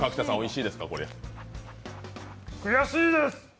悔しいです！